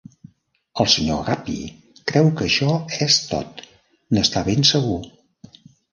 El Sr. Guppy creu que això és tot; n'està ben segur.